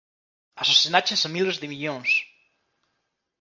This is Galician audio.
Asasinaches a miles de millóns!